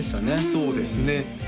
そうですね